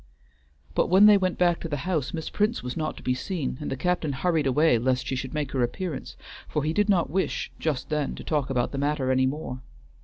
But when they went back to the house, Miss Prince was not to be seen, and the captain hurried away lest she should make her appearance, for he did not wish just then to talk about the matter any more.